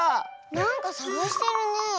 なんかさがしてるねえ。